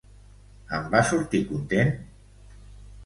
En va sortir content?